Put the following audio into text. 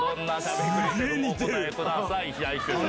お答えください。